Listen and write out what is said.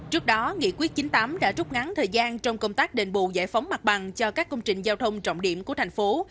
trước đó nghị quyết chín mươi tám đã trút ngắn thời gian trong công tác đền bù giải phóng mặt bằng cho các công trình giao thông trọng điểm của thành phố